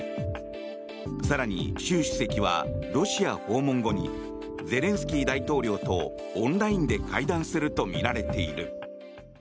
更に、習主席はロシア訪問後にゼレンスキー大統領とオンラインで会談するとみられている。